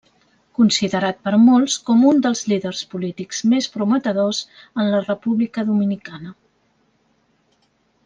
Considerat per molts com un dels líders polítics més prometedors en la República Dominicana.